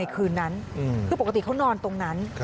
คือปกติเขานอนตรงนั้น